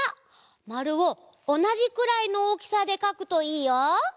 まるをおなじくらいのおおきさでかくといいよ！